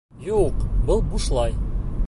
Юҡ, был бушлай